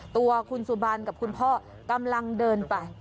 ตัวคุณสุบันกับคุณพ่อกำลังเดินไป